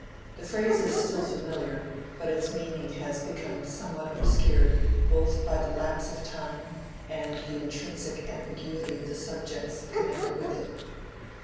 The phrase is still familiar; but its meaning has become somewhat obscured both by the lapse of time and the intrinsic ambiguity of the subjects connected with it.